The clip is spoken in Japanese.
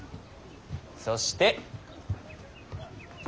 そして。